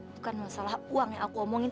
itu kan masalah uang yang aku omongin